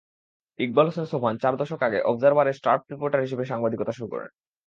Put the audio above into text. ইকবাল সোবহান চার দশক আগে অবজারভার-এ স্টাফ রিপোর্টার হিসেবে সাংবাদিকতা শুরু করেন।